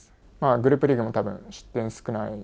グループリーグもたぶん失点少ない。